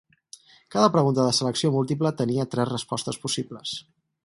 Cada pregunta de selecció múltiple tenia tres respostes possibles.